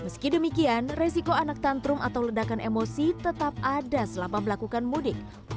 meski demikian resiko anak tantrum atau ledakan emosi tetap ada selama melakukan mudik